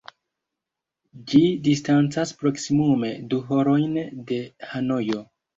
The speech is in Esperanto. Ĝi distancas proksimume du horojn de Hanojo.